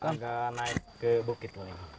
nggak naik ke bukit